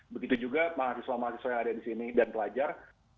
begitu juga mahasiswa mahasiswa yang ada di sini dan pelajar